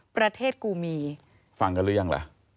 ประเทศกูมีฟังกันหรือยังล่ะ